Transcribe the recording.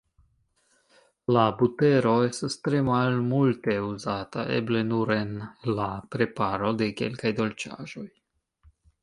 La butero estas tre malmulte uzata, eble nur en la preparo de kelkaj dolĉaĵoj.